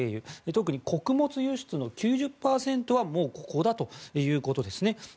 特に穀物輸出の９０％はここだということですね。